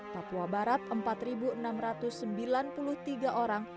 papua barat empat enam ratus sembilan puluh tiga orang